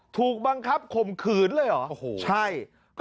ถูกบังคับข่มขืนเลยเหรอ